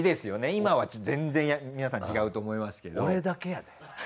今は全然皆さん違うと思いますけど。